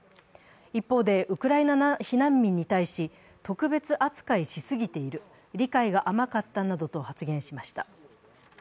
一方で、ウクライナ避難民に対し、特別扱いしすぎている、理解が甘かったなどと発言しました。